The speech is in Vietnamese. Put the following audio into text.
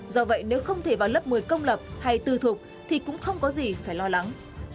do vậy nếu không thể vào lớp một mươi công lập hay tư thục thì cũng không có gì phải lo lắng